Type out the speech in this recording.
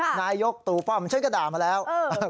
ค่ะนายกตุป้อมฉันก็ด่ามาแล้วเออ